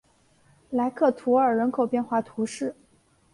莱克图尔人口变化图示